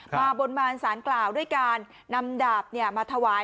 มาบนมารสารกล่าวด้วยการนำดาบเนี่ยมาถวาย